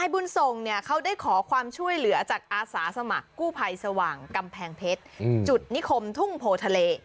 บุญส่งเนี่ยเขาได้ขอความช่วยเหลือจากอาสาสมัครกู้ภัยสว่างกำแพงเพชรจุดนิคมทุ่งโพทะเล